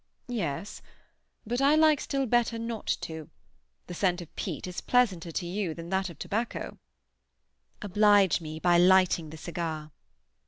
"Yes. But I like still better not to. The scent of peat is pleasanter to you than that of tobacco." "Oblige me by lighting the cigar."